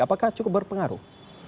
apakah cukup berpengaruh